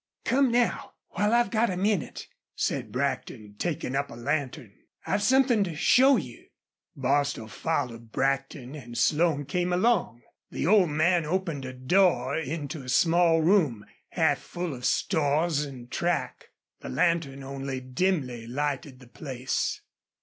"Come now while I've got a minnit," said Brackton, taking up a lantern. "I've somethin' to show you." Bostil followed Brackton, and Slone came along. The old man opened a door into a small room, half full of stores and track. The lantern only dimly lighted the place.